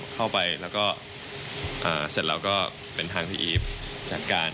เข้าไปแล้วก็เสร็จแล้วก็เป็นทางพี่อีฟจัดการ